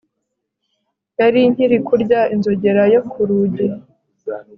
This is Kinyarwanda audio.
Nari nkiri kurya inzogera yo ku rugi